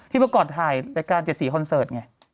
ที่ประกอบถ่ายรายการเจ็ดสีฮอนเซิร์ตไง